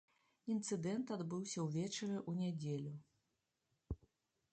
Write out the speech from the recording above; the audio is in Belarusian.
Інцыдэнт адбыўся ўвечары ў нядзелю.